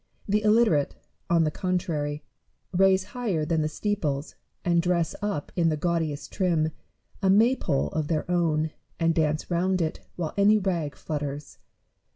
The illiterate, on the contrary, raise higher than the steeples, and dress up in the gaudiest trim, a maypole of their own, and dance round it while any rag flutters.